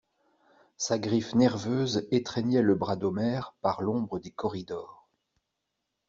Sa griffe nerveuse étreignait le bras d'Omer par l'ombre des corridors.